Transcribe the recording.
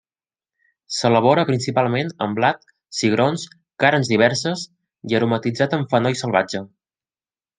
S'elabora principalment amb blat, cigrons, carns diverses i aromatitzat amb fenoll salvatge.